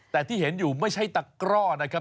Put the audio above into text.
แต่ที่เห็นอยู่ไม่ใช่ตะกร่อนะครับ